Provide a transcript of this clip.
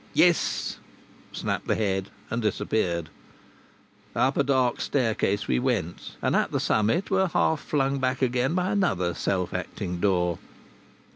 "Yes," snapped the head, and disappeared. Up a dark staircase we went, and at the summit were half flung back again by another self acting door.